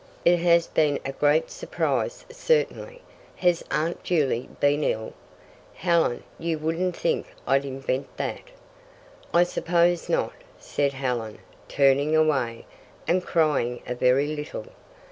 "It has been a great surprise, certainly. Has Aunt Juley been ill?" "Helen, you wouldn't think I'd invent that?" "I suppose not," said Helen, turning away, and crying a very little.